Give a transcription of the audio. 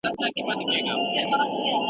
انا په ډېرې ستړیا سره پر کټ کښېناسته.